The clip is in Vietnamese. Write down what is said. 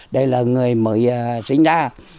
đây là người mới sinh ra